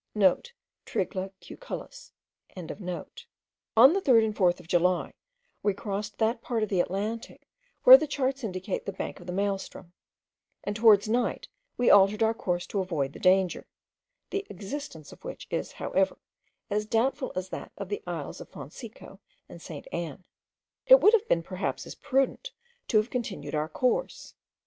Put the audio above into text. (* Trigla cucullus.) On the 3rd and 4th of July, we crossed that part of the Atlantic where the charts indicate the bank of the Maal stroom; and towards night we altered our course to avoid the danger, the existence of which is, however, as doubtful as that of the isles Fonseco and St. Anne. It would have been perhaps as prudent to have continued our course.